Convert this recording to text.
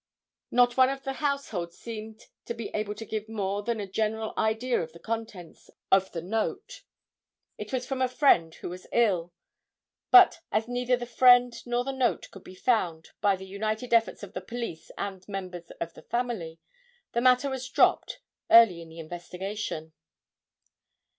Not one of the household seemed to be able to give more than a general idea of the contents of the note. It was from a friend who was ill, but as neither the friend nor the note could be found by the united efforts of the police and members of the family, the matter was dropped early in the investigation.